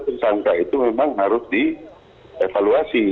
tersangka itu memang harus dievaluasi